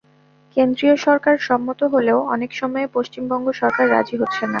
কেন্দ্রীয় সরকার সম্মত হলেও অনেক সময়ে পশ্চিমবঙ্গ সরকার রাজি হচ্ছে না।